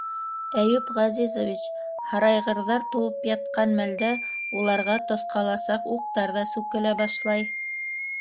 Әйүп Ғәзизович, һарайғырҙар тыуып ятҡан мәлдә уларға тоҫҡаласаҡ уҡтар ҙа сүкелә башлай.